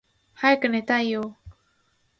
早く寝たいよーー